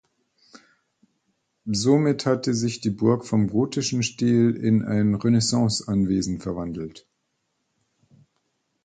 Somit hatte sich die Burg vom gotischen Stil in ein Renaissance-Anwesen verwandelt.